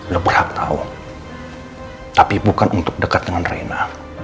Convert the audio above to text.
lebih tahu tapi bukan untuk dekat dengan rena